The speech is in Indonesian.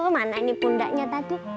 mana ini pundaknya tadi